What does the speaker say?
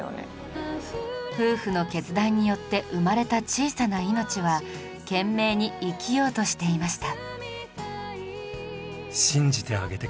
夫婦の決断によって産まれた小さな命は懸命に生きようとしていました